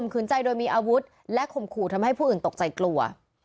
ขืนใจโดยมีอาวุธและข่มขู่ทำให้ผู้อื่นตกใจกลัว